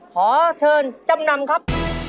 ขอเชิญจำนำครับ